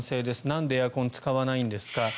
なんでエアコンを使わないんですか。